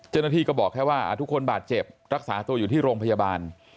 เจ้าหน้าที่ก็บอกแค่ว่าทุกคนบาดเจ็บรักษาตัวอยู่ที่โรงพยาบาล